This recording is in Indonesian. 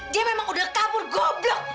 dia memang udah kabur goblong